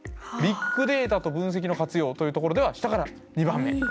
「ビッグデータと分析の活用」というところでは下から２番目。